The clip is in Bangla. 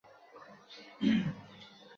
কিছুই ঢুকছে না মাথায়, বাবা।